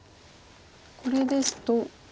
これですと。